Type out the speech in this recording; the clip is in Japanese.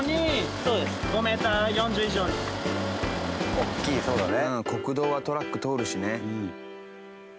大きいそうだね。